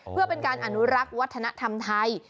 เพื่อเป็นการอนุรักษ์วัฒนธรรมไทย